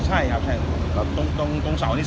ใช่ครับใช่ครับตรงเสานี่